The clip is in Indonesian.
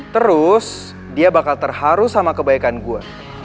terus dia bakal terharu sama kebaikan gue